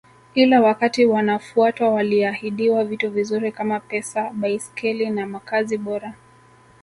Ila wakati wanafuatwa waliahidiwa vitu vizuri kama Pesa Baiskeli na Makazi bora